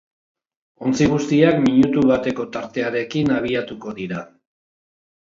Ontzi guztiak minutu bateko tartearekin abiatuko dira.